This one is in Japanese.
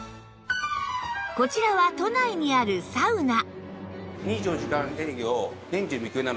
こちらは都内にあるサウナ